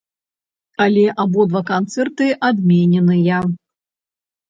Але абодва канцэрты адмененыя.